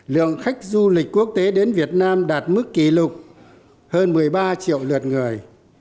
lượng khách du lịch quốc tế đến việt nam đạt mức kỷ lục hơn một mươi ba triệu lượt người